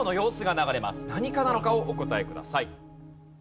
何科なのかをお答えください。